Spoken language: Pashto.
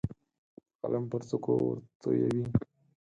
د قلم پر څوکو ورتویوي